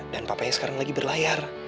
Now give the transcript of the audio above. dan papanya sekarang lagi berlayar